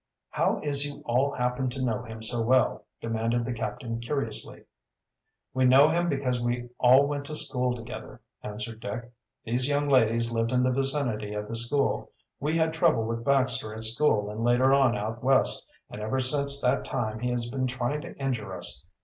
"How is you all happen to know him so well?" demanded the captain curiously. "We know him because we all went to school together," answered Dick. "These young ladies lived in the vicinity of the school. We had trouble with Baxter at school and later on out West, and ever since that time he has been trying to injure us.